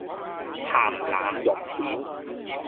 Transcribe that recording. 咸腩肉片